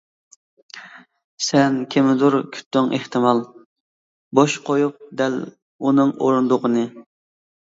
سەن كىمنىدۇر كۈتتۈڭ ئېھتىمال، بوش قويۇپ دەل ئۇنىڭ ئورۇندۇقىنى!